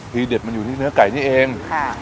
เด็ดมันอยู่ที่เนื้อไก่นี่เอง